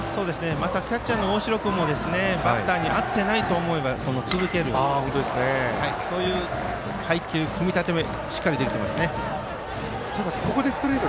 キャッチャーの大城君もバッターにあってないと思えば続ける配球組み立てもしっかりできてますね。